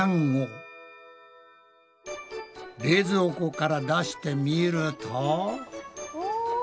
冷蔵庫から出してみると。